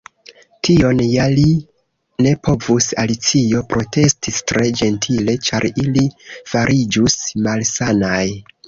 "Tion ja ili ne povus," Alicio protestis tre ĝentile, "ĉar ili fariĝus malsanaj."